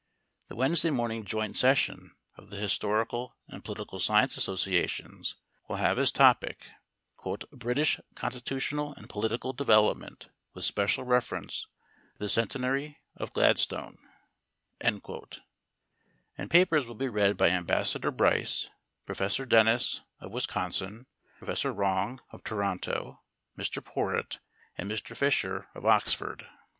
The Wednesday morning joint session of the Historical and Political Science Associations will have as topic "British Constitutional and Political Development, with Special Reference to the Centenary of Gladstone," and papers will be read by Ambassador Bryce, Prof. Dennis, of Wisconsin; Prof. Wrong, of Toronto; Mr. Porritt, and by Mr. Fisher, of Oxford.